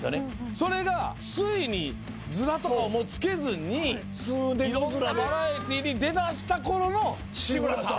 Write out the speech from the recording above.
それがついにヅラとかをもうつけずにいろんなバラエティーに出だしたころの志村さん。